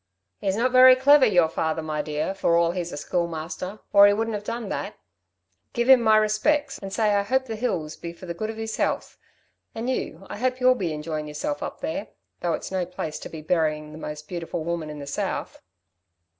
"He's not very clever, your father, my dear, for all he's a Schoolmaster, or he wouldn't have done that! Give him my respects and say I hope the hills'll be for the good of his health. And you I hope you'll be enjoyin' y'rself up there. Though it's no place, to be buryin' the most beautiful woman in the South."